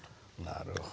なるほど。